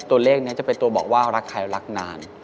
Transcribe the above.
ตัวเลขนี้จะเป็นตัวบอกว่ารักใครรักนาน